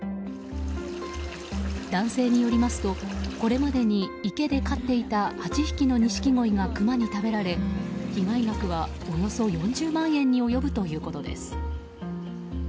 男性によりますとこれまでに池で飼っていた８匹のニシキゴイがクマに食べられ被害額は、およそ４０万円に及ぶということです。